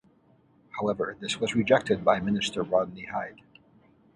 However, this was rejected by Minister Rodney Hide.